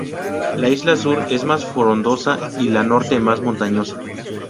La isla sur es más frondosa y la norte más montañosa.